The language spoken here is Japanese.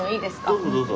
どうぞどうぞ。